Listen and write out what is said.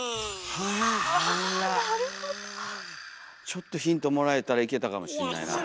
ちょっとヒントもらえたらいけたかもしれないな。